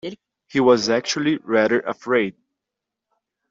He was actually rather afraid